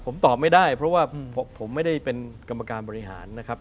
ผมตอบไม่ได้เพราะว่าผมไม่ได้เป็นกรรมการบริหารนะครับ